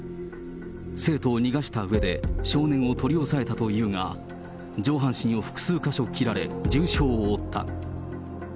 生徒を逃がしたうえで、少年を取り押さえたというが、上半身を複数箇所切られ、重傷を負った。